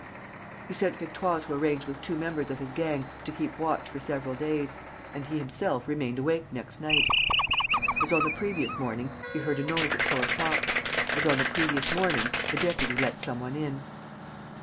He sent Victoire to arrange with two members of his gang to keep watch for several days. And he himself remained awake next night. As on the previous morning, he heard a noise at four o'clock. As on the previous morning, the deputy let some one in.